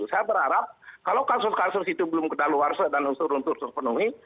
saya berharap kalau kasus kasus itu belum kedaluarsa dan unsur unsur terpenuhi